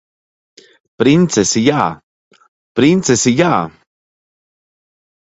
Princesi jā! Princesi jā!